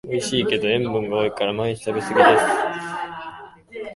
おいしいけど塩分が多いから毎日は食べすぎです